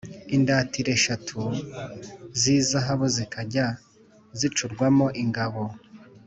indatira eshatu z izahabu zikajya zicurwamo ingabo